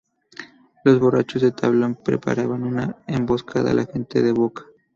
Los Borrachos del Tablón preparaban una emboscada a la gente de Boca.